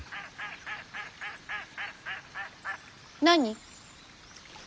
何。